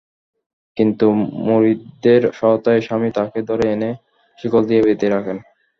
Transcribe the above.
কিন্তু মুরিদদের সহায়তায় স্বামী তাঁকে ধরে এনে শিকল দিয়ে বেঁধে রাখেন।